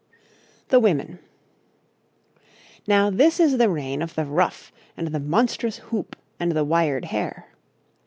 THE WOMEN Now this is the reign of the ruff and the monstrous hoop and the wired hair.